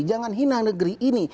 jangan hina negeri ini